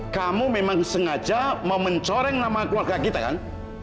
kamu memang sengaja mau mencoreng nama keluarga kita kan